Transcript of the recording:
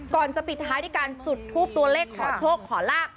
ก่อนจะปิดท้ายด้วยการจุดทูปตัวเลขขอโชคขอลาบ